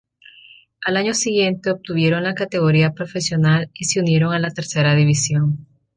Al año siguiente obtuvieron la categoría profesional y se unieron a la tercera división.